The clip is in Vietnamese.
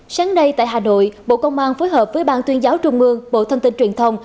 sáng nay tại hà nội bộ công an phối hợp với ban tuyên giáo trung ương bộ thông tin truyền thông